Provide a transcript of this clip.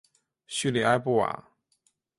叙里埃布瓦。